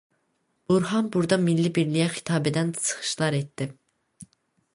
Burhan burda milli birliyə xitab edən çıxışlar etdi.